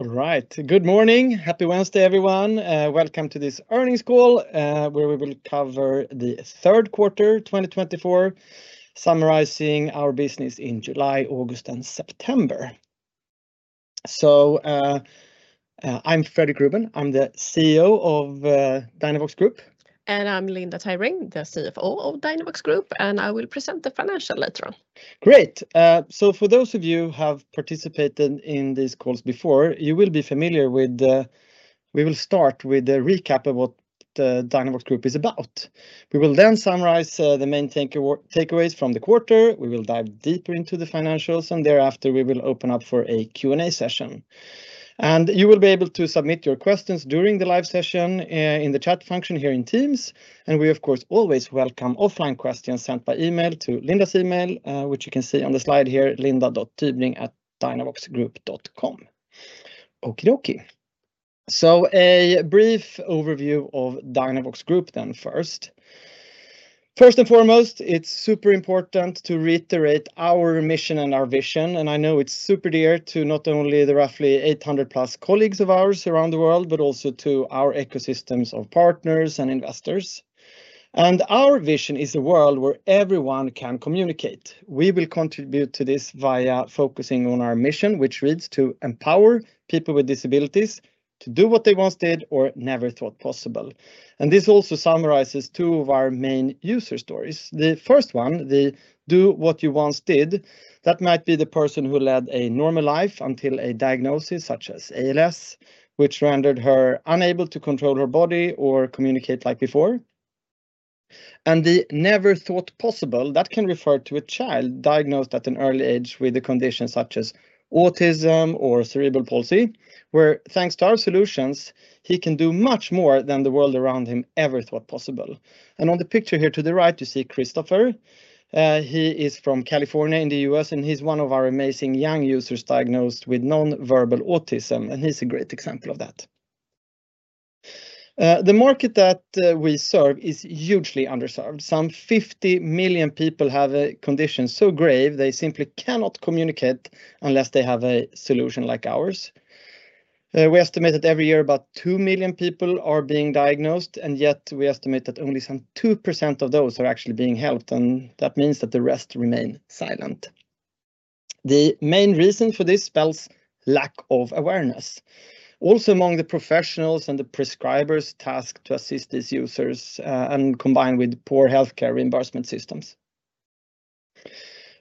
...All right. Good morning! Happy Wednesday, everyone. Welcome to this earnings call, where we will cover the third quarter, 2024, summarizing our business in July, August, and September. So, I'm Fredrik Ruben. I'm the CEO of Dynavox Group. I'm Linda Tybring, the CFO of Dynavox Group, and I will present the financials later on. Great. So for those of you who have participated in these calls before, you will be familiar with we will start with a recap of what the Dynavox Group is about. We will then summarize the main takeaways from the quarter, we will dive deeper into the financials, and thereafter, we will open up for a Q&A session, and you will be able to submit your questions during the live session in the chat function here in Teams, and we, of course, always welcome offline questions sent by email to Linda's email, which you can see on the slide here, linda.tybring@tobiidynavox.com. Okey-dokey, so a brief overview of Dynavox Group then first. First and foremost, it's super important to reiterate our mission and our vision, and I know it's super dear to not only the roughly 800+ colleagues of ours around the world, but also to our ecosystems of partners and investors. And our vision is a world where everyone can communicate. We will contribute to this via focusing on our mission, which reads, "To empower people with disabilities to do what they once did or never thought possible." And this also summarizes two of our main user stories. The first one, the do what you once did, that might be the person who led a normal life until a diagnosis, such as ALS, which rendered her unable to control her body or communicate like before. And the never thought possible, that can refer to a child diagnosed at an early age with a condition such as autism or cerebral palsy, where, thanks to our solutions, he can do much more than the world around him ever thought possible. And on the picture here to the right, you see Christopher. He is from California in the U.S., and he's one of our amazing young users diagnosed with non-verbal autism, and he's a great example of that. The market that we serve is hugely underserved. Some 50 million people have a condition so grave they simply cannot communicate unless they have a solution like ours. We estimate that every year, about 2 million people are being diagnosed, and yet we estimate that only some 2% of those are actually being helped, and that means that the rest remain silent. The main reason for this is lack of awareness, also among the professionals and the prescribers tasked to assist these users, and combined with poor healthcare reimbursement systems.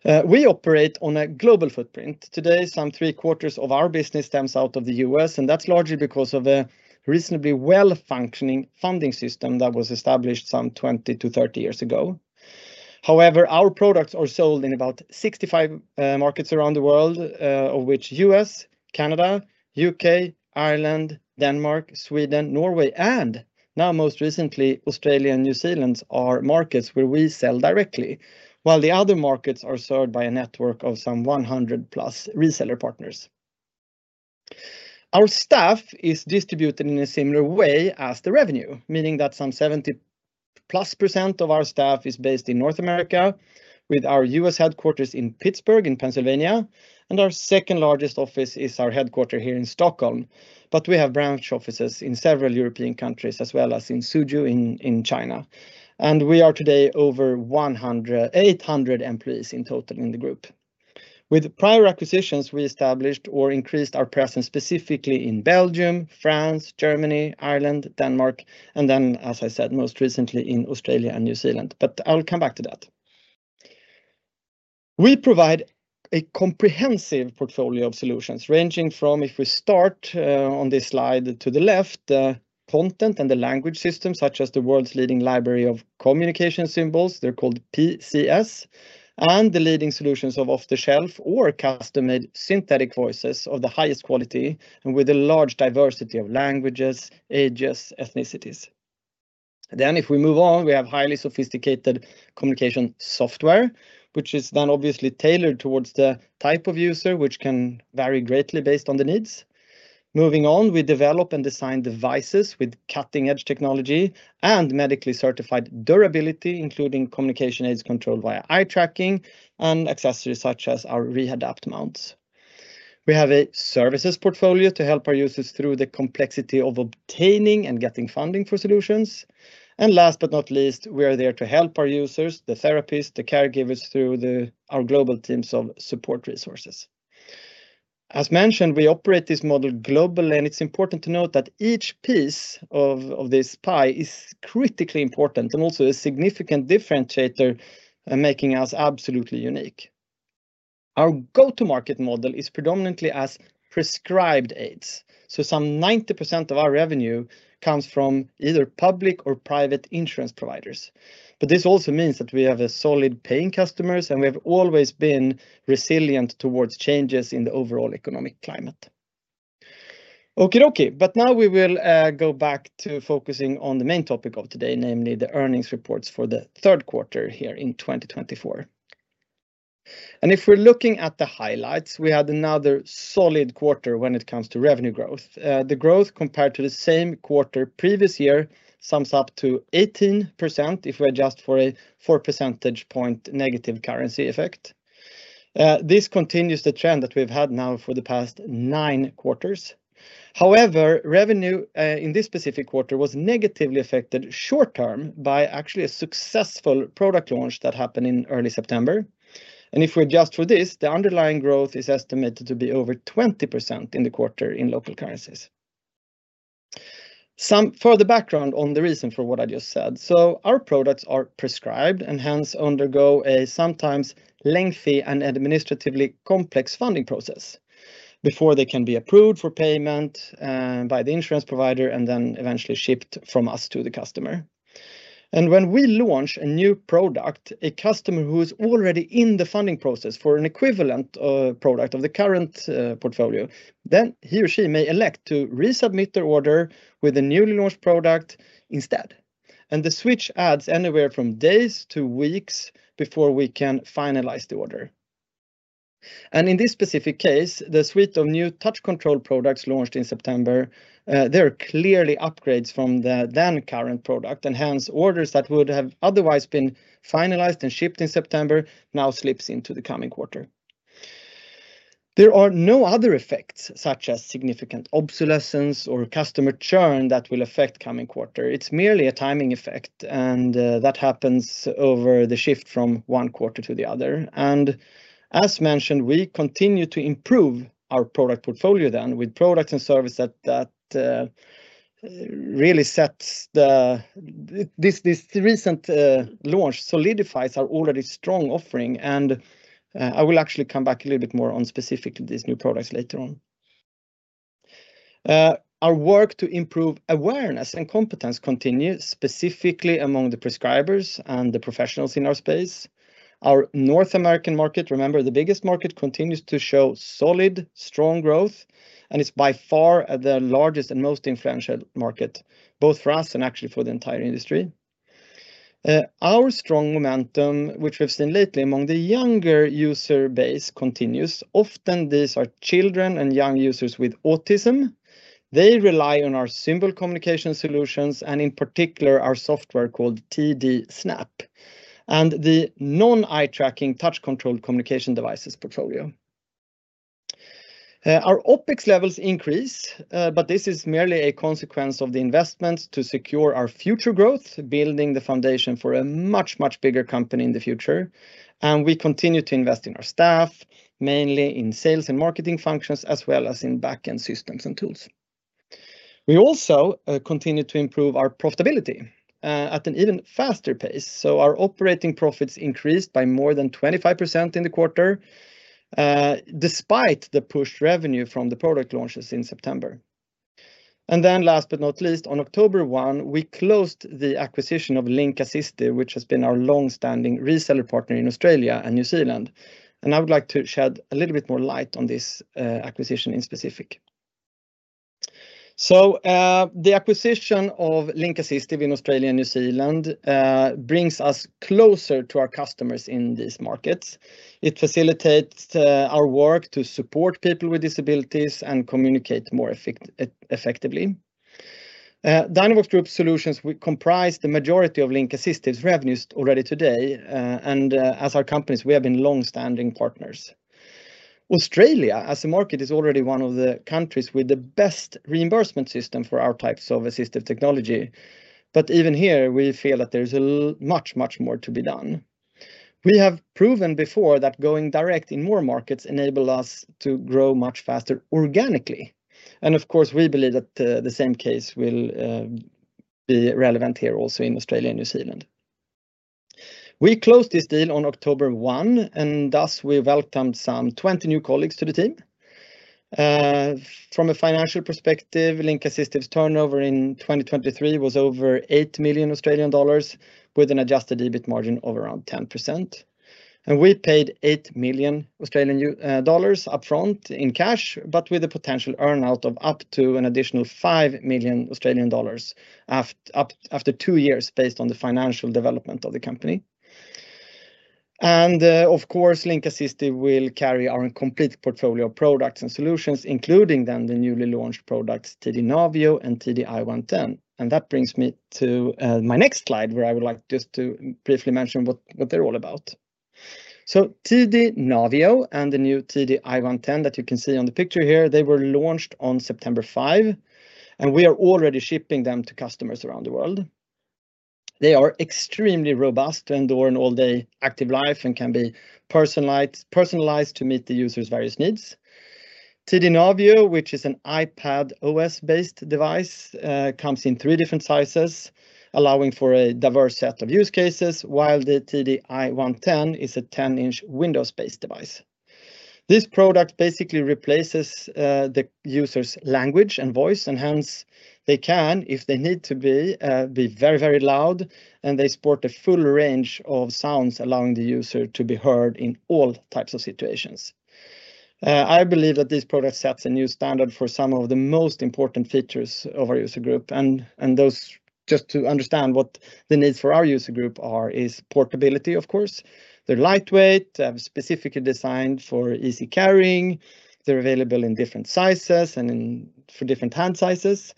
We operate on a global footprint. Today, some 3/4 of our business stems out of the U.S., and that's largely because of a reasonably well-functioning funding system that was established some 20-30 years ago. However, our products are sold in about 65 markets around the world, of which U.S., Canada, U.K., Ireland, Denmark, Sweden, Norway, and now, most recently, Australia and New Zealand are markets where we sell directly, while the other markets are served by a network of some 100+ reseller partners. Our staff is distributed in a similar way as the revenue, meaning that some 70%+ of our staff is based in North America with our U.S. headquarters in Pittsburgh, in Pennsylvania, and our second-largest office is our headquarters here in Stockholm. But we have branch offices in several European countries, as well as in Suzhou, in China. And we are today over 800 employees in total in the group. With prior acquisitions, we established or increased our presence, specifically in Belgium, France, Germany, Ireland, Denmark, and then, as I said, most recently in Australia and New Zealand. But I will come back to that. We provide a comprehensive portfolio of solutions, ranging from, if we start, on this slide to the left, content and the language system, such as the world's leading library of communication symbols, they're called PCS, and the leading solutions of off-the-shelf or custom-made synthetic voices of the highest quality and with a large diversity of languages, ages, ethnicities. Then, if we move on, we have highly sophisticated communication software, which is then obviously tailored towards the type of user, which can vary greatly based on the needs. Moving on, we develop and design devices with cutting-edge technology and medically certified durability, including communication aids controlled via eye tracking and accessories, such as our Rehadapt mounts. We have a services portfolio to help our users through the complexity of obtaining and getting funding for solutions. Last but not least, we are there to help our users, the therapists, the caregivers through our global teams of support resources. As mentioned, we operate this model globally, and it's important to note that each piece of this pie is critically important and also a significant differentiator in making us absolutely unique. Our go-to market model is predominantly as prescribed aids, so some 90% of our revenue comes from either public or private insurance providers. This also means that we have a solid paying customers, and we have always been resilient towards changes in the overall economic climate. Okey-dokey, but now we will go back to focusing on the main topic of today, namely the earnings reports for the third quarter here in 2024. If we're looking at the highlights, we had another solid quarter when it comes to revenue growth. The growth compared to the same quarter previous year sums up to 18% if we adjust for a 4 percentage point negative currency effect. This continues the trend that we've had now for the past nine quarters. However, revenue in this specific quarter was negatively affected short-term by actually a successful product launch that happened in early September. If we adjust for this, the underlying growth is estimated to be over 20% in the quarter in local currencies. Some further background on the reason for what I just said. Our products are prescribed and hence undergo a sometimes lengthy and administratively complex funding process before they can be approved for payment by the insurance provider, and then eventually shipped from us to the customer. And when we launch a new product, a customer who is already in the funding process for an equivalent product of the current portfolio, then he or she may elect to resubmit their order with the newly launched product instead, and the switch adds anywhere from days to weeks before we can finalize the order. And in this specific case, the suite of new touch control products launched in September, they are clearly upgrades from the then current product, and hence, orders that would have otherwise been finalized and shipped in September, now slips into the coming quarter. There are no other effects, such as significant obsolescence or customer churn, that will affect coming quarter. It's merely a timing effect, and that happens over the shift from one quarter to the other. As mentioned, we continue to improve our product portfolio then with products and service that really sets the. This recent launch solidifies our already strong offering, and I will actually come back a little bit more on specifically these new products later on. Our work to improve awareness and competence continues, specifically among the prescribers and the professionals in our space. Our North American market, remember, the biggest market, continues to show solid, strong growth, and it's by far the largest and most influential market, both for us and actually for the entire industry. Our strong momentum, which we've seen lately among the younger user base, continues. Often, these are children and young users with autism. They rely on our symbol communication solutions and, in particular, our software called TD Snap, and the non-eye tracking touch-controlled communication devices portfolio. Our OpEx levels increase, but this is merely a consequence of the investments to secure our future growth, building the foundation for a much, much bigger company in the future. And we continue to invest in our staff, mainly in sales and marketing functions, as well as in back-end systems and tools. We also continue to improve our profitability at an even faster pace. So our operating profits increased by more than 25% in the quarter, despite the pushed revenue from the product launches in September. And then last but not least, on October 1, we closed the acquisition of Link Assistive, which has been our long-standing reseller partner in Australia and New Zealand, and I would like to shed a little bit more light on this acquisition in specific. The acquisition of Link Assistive in Australia and New Zealand brings us closer to our customers in these markets. It facilitates our work to support people with disabilities and communicate more effectively. Dynavox Group solutions will comprise the majority of Link Assistive's revenues already today, and as our companies, we have been long-standing partners. Australia, as a market, is already one of the countries with the best reimbursement system for our types of assistive technology, but even here, we feel that there's much, much more to be done. We have proven before that going direct in more markets enable us to grow much faster organically, and of course, we believe that the same case will be relevant here also in Australia and New Zealand. We closed this deal on October 1, and thus we welcomed some 20 new colleagues to the team. From a financial perspective, Link Assistive's turnover in 2023 was over 8 million Australian dollars, with an adjusted EBIT margin of around 10%. We paid 8 million Australian dollars upfront in cash, but with a potential earn out of up to an additional 5 million Australian dollars after two years based on the financial development of the company. Of course, Link Assistive will carry our complete portfolio of products and solutions, including then the newly launched products, TD Navio and TD I-110. That brings me to my next slide, where I would like just to briefly mention what they're all about. TD Navio and the new TD I-110 that you can see on the picture here, they were launched on September 5, and we are already shipping them to customers around the world. They are extremely robust, and endure an all-day active life and can be personalized to meet the user's various needs. TD Navio, which is an iPadOS-based device, comes in three different sizes, allowing for a diverse set of use cases, while the TD I-110 is a 10-inch Windows-based device. This product basically replaces the user's language and voice, and hence they can, if they need to be, be very, very loud, and they support a full range of sounds, allowing the user to be heard in all types of situations. I believe that this product sets a new standard for some of the most important features of our user group and those, just to understand what the needs for our user group are, is portability, of course. They're lightweight, specifically designed for easy carrying. They're available in different sizes and, for different hand sizes.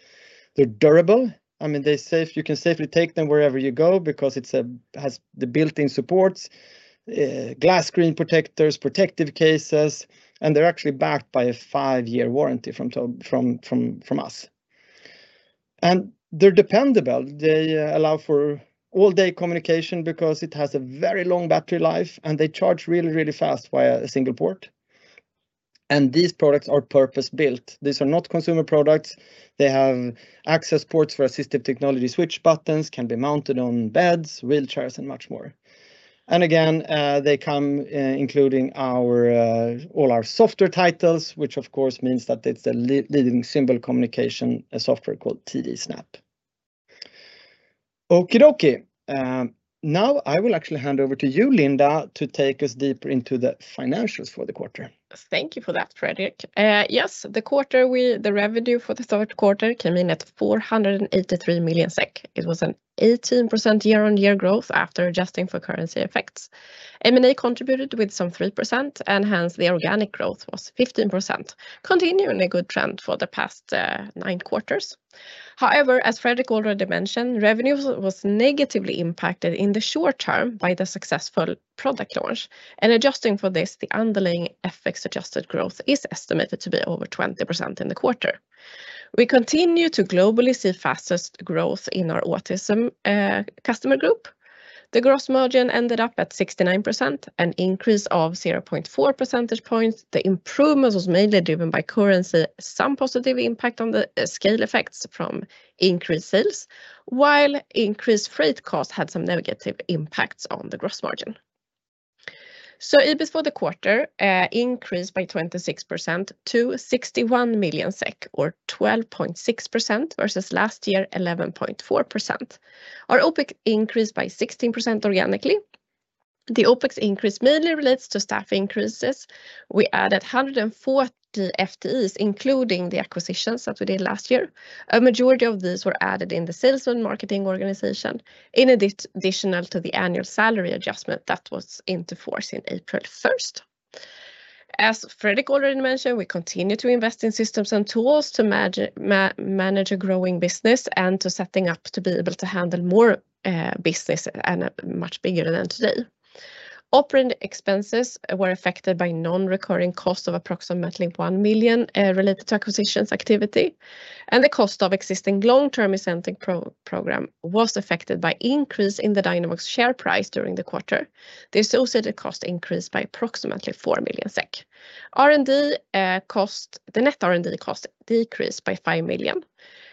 They're durable. I mean, you can safely take them wherever you go because it has the built-in supports, glass screen protectors, protective cases, and they're actually backed by a five-year warranty from us. They're dependable. They allow for all-day communication because it has a very long battery life, and they charge really, really fast via a single port. These products are purpose-built. These are not consumer products. They have access ports for assistive technology, switch buttons, can be mounted on beds, wheelchairs, and much more. And again, they come including our, all our software titles, which, of course, means that it's the leading symbol communication, a software called TD Snap. Okie dokie. Now I will actually hand over to you, Linda, to take us deeper into the financials for the quarter. Thank you for that, Fredrik. Yes, the revenue for the third quarter came in at 483 million SEK. It was an 18% year-on-year growth after adjusting for currency effects. M&A contributed with some 3%, and hence, the organic growth was 15%, continuing a good trend for the past nine quarters. However, as Fredrik already mentioned, revenue was negatively impacted in the short-term by the successful product launch. And adjusting for this, the underlying FX-adjusted growth is estimated to be over 20% in the quarter. We continue to globally see fastest growth in our autism customer group. The gross margin ended up at 69%, an increase of 0.4 percentage points. The improvement was mainly driven by currency, some positive impact on the scale effects from increased sales, while increased freight costs had some negative impacts on the gross margin. So EBIT for the quarter increased by 26% to 61 million SEK, or 12.6% versus last year, 11.4%. Our OpEx increased by 16% organically. The OpEx increase mainly relates to staff increases. We added 140 FTEs, including the acquisitions that we did last year. A majority of these were added in the sales and marketing organization, in addition to the annual salary adjustment that went into force in April 1st. As Fredrik already mentioned, we continue to invest in systems and tools to manage a growing business and to set up to be able to handle more business and much bigger than today. Operating expenses were affected by non-recurring costs of approximately 1 million related to acquisitions activity, and the cost of existing long-term incentive program was affected by increase in the Dynavox share price during the quarter. The associated cost increased by approximately 4 million SEK. R&D cost, the net R&D cost decreased by 5 million.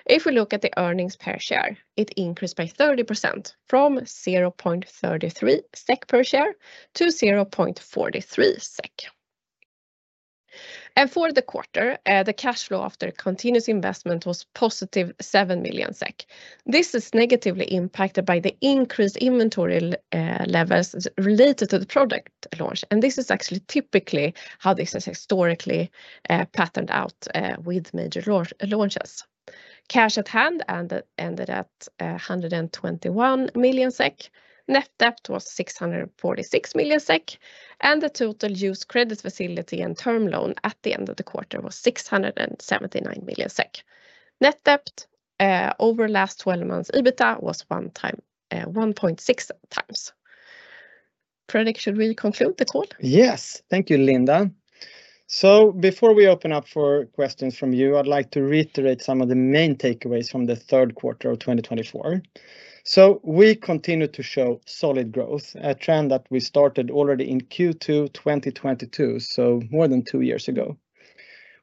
If we look at the earnings per share, it increased by 30% from 0.33 SEK per share to 0.43 SEK, and for the quarter, the cash flow after continuous investment was positive 7 million SEK. This is negatively impacted by the increased inventory levels related to the product launch, and this is actually typically how this has historically patterned out with major launches. Cash at hand ended at 121 million SEK. Net debt was 646 million SEK, and the total use credit facility and term loan at the end of the quarter was 679 million SEK. Net debt over last 12 months EBITDA was 1.6x. Fredrik, should we conclude the call? Yes. Thank you, Linda. So before we open up for questions from you, I'd like to reiterate some of the main takeaways from the third quarter of 2024. So we continue to show solid growth, a trend that we started already in Q2, 2022, so more than two years ago.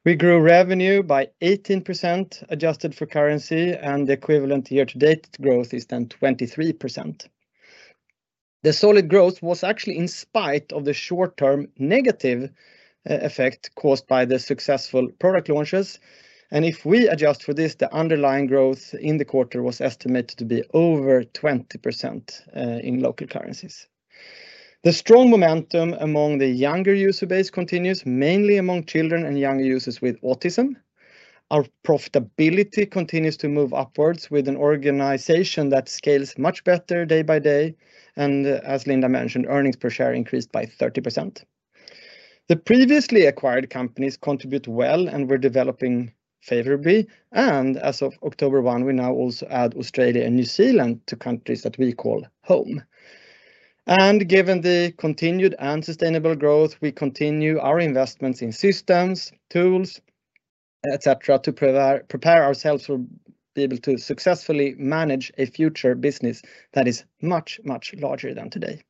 We grew revenue by 18%, adjusted for currency, and the equivalent year-to-date growth is then 23%. The solid growth was actually in spite of the short-term negative effect caused by the successful product launches. And if we adjust for this, the underlying growth in the quarter was estimated to be over 20% in local currencies. The strong momentum among the younger user base continues, mainly among children and young users with autism. Our profitability continues to move upwards with an organization that scales much better day by day, and as Linda mentioned, earnings per share increased by 30%. The previously acquired companies contribute well and were developing favorably, and as of October 1, we now also add Australia and New Zealand to countries that we call home. Given the continued and sustainable growth, we continue our investments in systems, tools, etc., to prepare ourselves for be able to successfully manage a future business that is much, much larger than today.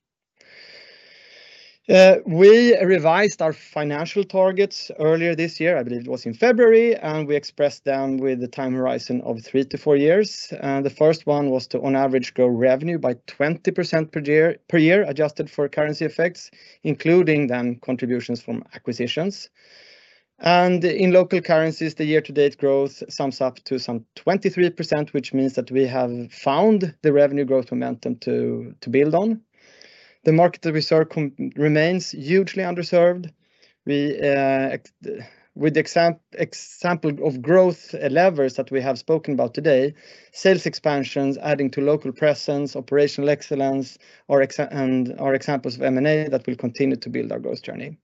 We revised our financial targets earlier this year. I believe it was in February, and we expressed them with the time horizon of three to four years. The first one was to, on average, grow revenue by 20% per year, adjusted for currency effects, including then contributions from acquisitions. And in local currencies, the year-to-date growth sums up to some 23%, which means that we have found the revenue growth momentum to build on. The market that we serve remains hugely underserved. We with the example of growth levers that we have spoken about today, sales expansions, adding to local presence, operational excellence, and our examples of M&A, that will continue to build our growth journey.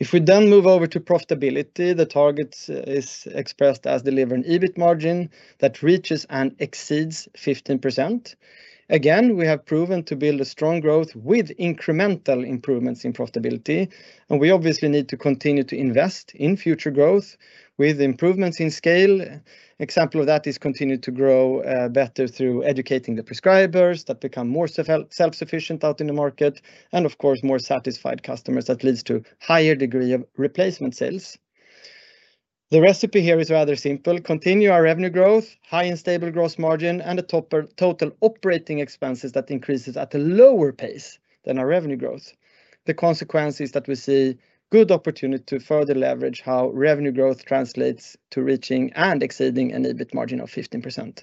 If we then move over to profitability, the targets is expressed as delivering EBIT margin that reaches and exceeds 15%. Again, we have proven to build a strong growth with incremental improvements in profitability, and we obviously need to continue to invest in future growth with improvements in scale. Example of that is continue to grow better through educating the prescribers that become more self-sufficient out in the market, and of course, more satisfied customers. That leads to higher degree of replacement sales. The recipe here is rather simple: continue our revenue growth, high and stable gross margin, and a total operating expenses that increases at a lower pace than our revenue growth. The consequence is that we see good opportunity to further leverage how revenue growth translates to reaching and exceeding an EBIT margin of 15%.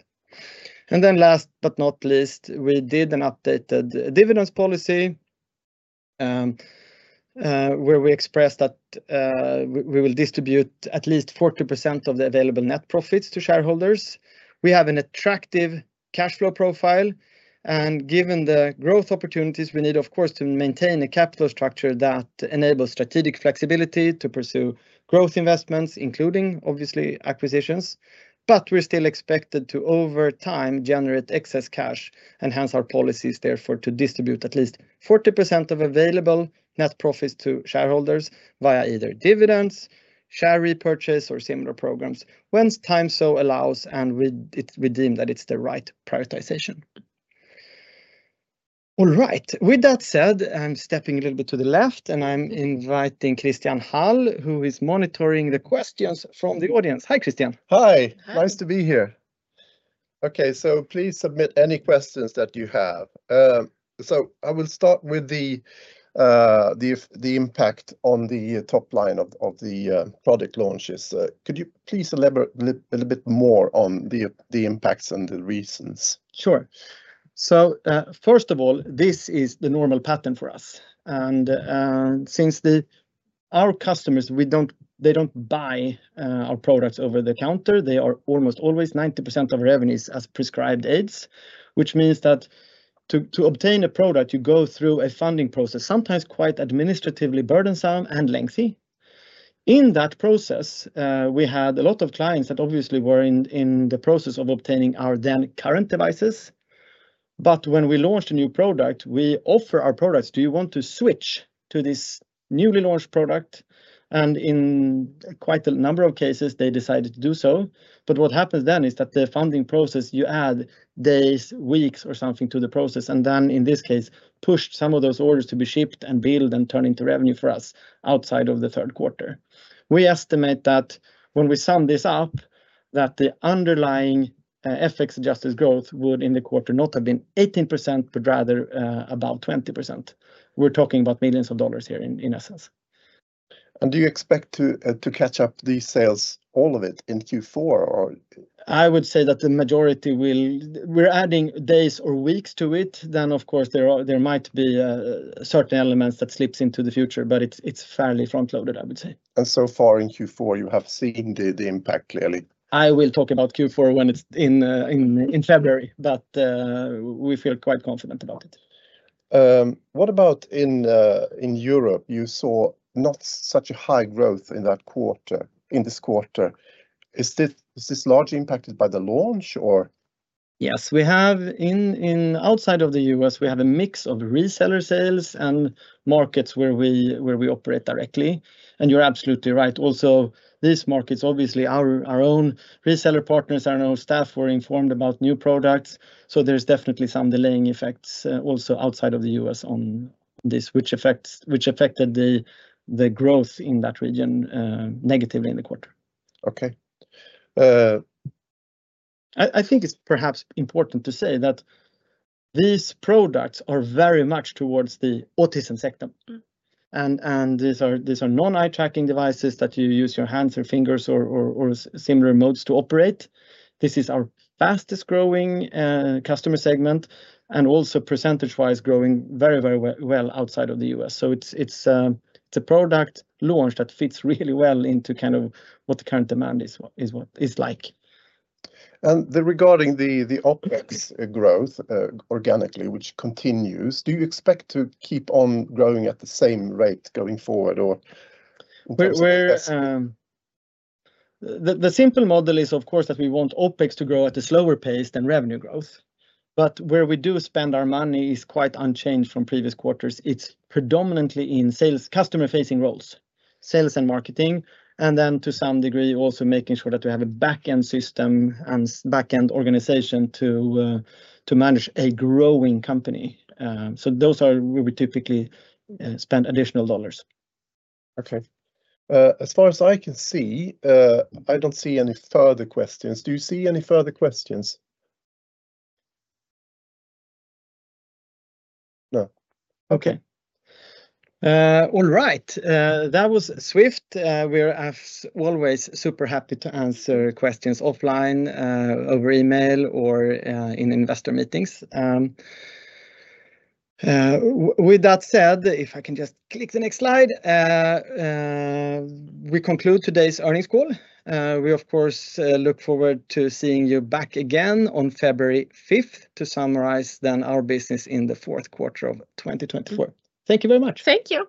Then last but not least, we did an updated dividends policy, where we expressed that we will distribute at least 40% of the available net profits to shareholders. We have an attractive cash flow profile, and given the growth opportunities, we need, of course, to maintain a capital structure that enables strategic flexibility to pursue growth investments, including, obviously, acquisitions. But we're still expected to, over time, generate excess cash, and hence our policy is therefore to distribute at least 40% of available net profits to shareholders via either dividends, share repurchase, or similar programs once time so allows, and we deem that it's the right prioritization. All right. With that said, I'm stepping a little bit to the left, and I'm inviting Christian Hall, who is monitoring the questions from the audience. Hi, Christian. Hi. Hi. Nice to be here. Okay, so please submit any questions that you have. So I will start with the impact on the top line of the product launches. Could you please elaborate a little bit more on the impacts and the reasons? Sure. First of all, this is the normal pattern for us, and since our customers they don't buy our products over the counter. They are almost always 90% of revenues as prescribed aids, which means that to obtain a product, you go through a funding process, sometimes quite administratively burdensome and lengthy. In that process, we had a lot of clients that obviously were in the process of obtaining our then current devices, but when we launched a new product, we offer our products, "Do you want to switch to this newly launched product?" In quite a number of cases, they decided to do so. But what happens then is that the funding process, you add days, weeks, or something to the process, and then, in this case, pushed some of those orders to be shipped and build and turn into revenue for us outside of the third quarter. We estimate that when we sum this up, that the underlying, FX-adjusted growth would, in the quarter, not have been 18%, but rather, about 20%. We're talking about millions of dollars here in essence. And do you expect to catch up these sales, all of it, in Q4, or? I would say that the majority will. We're adding days or weeks to it, then of course there might be certain elements that slips into the future, but it's fairly front-loaded, I would say. And so far in Q4, you have seen the impact, clearly? I will talk about Q4 when it's in February, but we feel quite confident about it. What about in Europe? You saw not such a high growth in that quarter, in this quarter. Is this largely impacted by the launch or? Yes, we have. Outside of the U.S., we have a mix of reseller sales and markets where we operate directly, and you're absolutely right. Also, these markets, obviously, our own reseller partners and our staff were informed about new products, so there's definitely some delaying effects also outside of the U.S. on this, which affected the growth in that region negatively in the quarter. Okay. Uh- I think it's perhaps important to say that these products are very much towards the autism sector. These are non-eye tracking devices that you use your hands or fingers or similar modes to operate. This is our fastest growing customer segment, and also percentage-wise, growing very well outside of the U.S. It's a product launch that fits really well into kind of what the current demand is like. Regarding the OpEx growth organically, which continues, do you expect to keep on growing at the same rate going forward, or in terms of OpEx? The simple model is, of course, that we want OpEx to grow at a slower pace than revenue growth, but where we do spend our money is quite unchanged from previous quarters. It's predominantly in sales, customer-facing roles, sales and marketing, and then to some degree, also making sure that we have a back-end system and back-end organization to manage a growing company. So those are where we typically spend additional dollars. Okay. As far as I can see, I don't see any further questions. Do you see any further questions? No. Okay. All right. That was swift. We are, as always, super happy to answer questions offline, over email or, in investor meetings. With that said, if I can just click the next slide, we conclude today's earnings call. We, of course, look forward to seeing you back again on February 5th to summarize then our business in the fourth quarter of 2024. Thank you very much. Thank you.